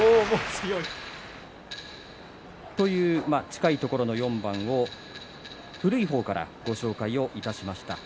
近いところの４番を古い方からご紹介いたしました。